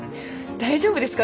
大丈夫ですか？